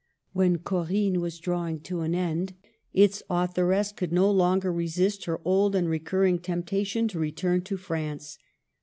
When Corinne was drawing to an end, its authoress could no longer resist her old and re curring temptation to return to France.